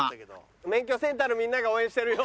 免許センターのみんなが応援してるよ。